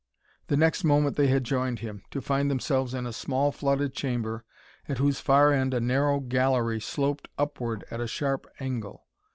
The next moment they had joined him, to find themselves in a small flooded chamber at whose far end a narrow gallery sloped upward at a sharp angle.